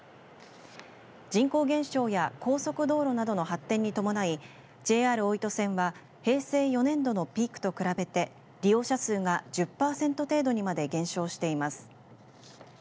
人口減少や高速道路などの発展に伴いＪＲ大糸線は平成４年度のピークと比べて利用者数が１０パーセント程度にまで減少しています。